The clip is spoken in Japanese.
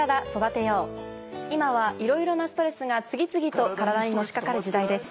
今はいろいろなストレスが次々と体にのしかかる時代です。